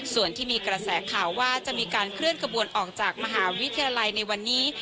ส่วนที่มีกระแสข่าวว่าจะมีการเคลื่อนขบวนออกจากมหาวิทยาลัยในวันนี้